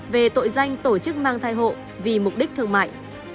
về tội danh tổ chức mang thai hộ vì mục đích thương mại